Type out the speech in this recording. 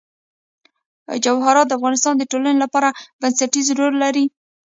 جواهرات د افغانستان د ټولنې لپاره بنسټيز رول لري.